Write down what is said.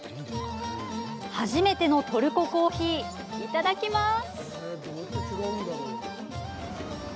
初めてのトルココーヒー、いただきます。